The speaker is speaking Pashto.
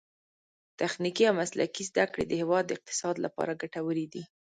تخنیکي او مسلکي زده کړې د هیواد د اقتصاد لپاره ګټورې دي.